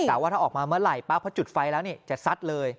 แต่ว่าถ้าออกมาเมื่อไหร่ปั๊บเพราะจุดไฟแล้วจะซัดเลย